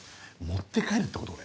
持って帰るってこと？